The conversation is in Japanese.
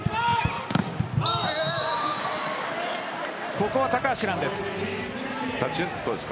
ここは高橋藍です。